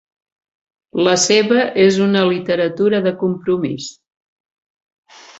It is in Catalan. La seva és una literatura de compromís.